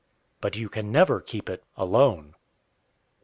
But you can never keep it alone.